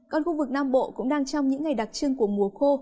còn khu vực nam bộ cũng đang trong những ngày đặc trưng của mùa khô